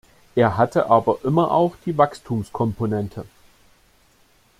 Er hatte aber immer auch die Wachstumskomponente.